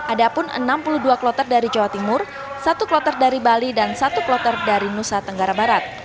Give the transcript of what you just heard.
ada pun enam puluh dua kloter dari jawa timur satu kloter dari bali dan satu kloter dari nusa tenggara barat